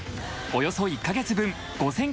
およそ１カ月分